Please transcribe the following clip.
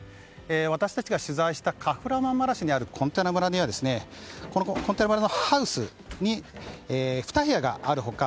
私たちが取材したカフラマンマラシュにあるコンテナ村のハウスに２部屋がある他